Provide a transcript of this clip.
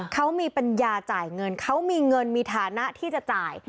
เขามีปัญญาจ่ายเงินเขามีเงินมีฐานะที่จะจ่าย